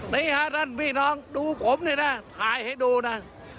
นี่ฮะท่านพี่น้องดูผมนี่นะถ่ายให้ดูนะ